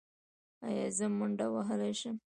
ایا زه منډه وهلی شم؟